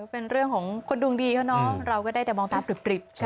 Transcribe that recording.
เป็นเรื่องของคนดวงดีเขาเนาะเราก็ได้แต่มองตาปริบ